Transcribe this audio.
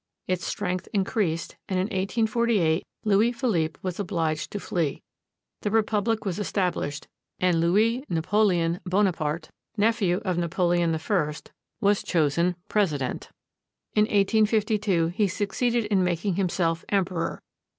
Its strength increased, and in 1848, Louis Philippe was obliged to flee. The republic was estab lished, and Louis Napoleon Bonaparte, nephew of Napo leon I, was chosen president. In 1852, he succeeded in making himself emperor.